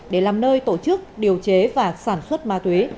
để làm nơi tổ chức điều chế và sản xuất ma túy